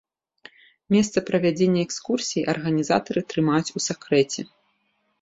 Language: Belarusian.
Месца правядзення экскурсіі арганізатары трымаюць у сакрэце.